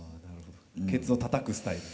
ケツをたたくスタイルで。